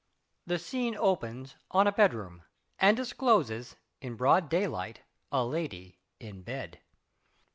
THE scene opens on a bedroom and discloses, in broad daylight, a lady in bed.